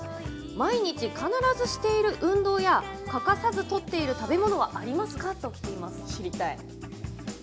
毎日必ずしている運動や欠かさずとっている食べ物はありますか、とのことです。